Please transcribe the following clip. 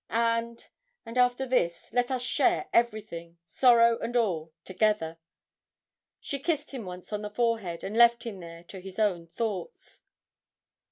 and and after this let us share everything sorrow and all together!' She kissed him once on the forehead, and left him there to his own thoughts.